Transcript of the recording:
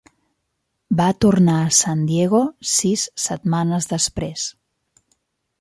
Va tornar a San Diego sis setmanes després.